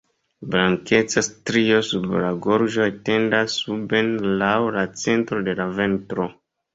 Blankeca strio sub la gorĝo etendas suben laŭ la centro de la ventro.